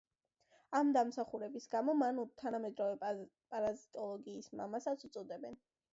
ამ დამსახურებების გამო მას თანამედროვე პარაზიტოლოგიის მამასაც უწოდებენ.